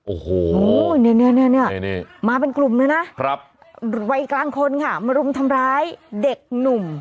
โอ้โหเนี่ยมาเป็นกลุ่มเลยนะวัยกลางคนค่ะมารุมทำร้ายเด็กหนุ่ม